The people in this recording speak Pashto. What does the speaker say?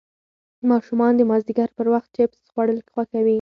ماشومان د مازدیګر پر وخت چېپس خوړل خوښوي.